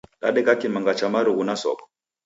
Dadeka kimanga cha marughu na soko.